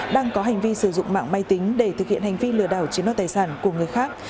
đang có hành vi sử dụng mạng máy tính để thực hiện hành vi lừa đảo chiếm đoạt tài sản của người khác